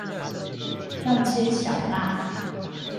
要切小辣